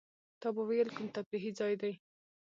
تا به وېل کوم تفریحي ځای دی.